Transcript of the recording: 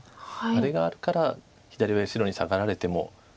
あれがあるから左上白にサガられても。